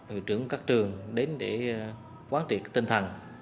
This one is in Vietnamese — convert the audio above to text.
hiệu trưởng các trường đến để quán triệt tinh thần